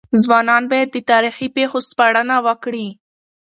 ځوانان بايد د تاريخي پېښو سپړنه وکړي.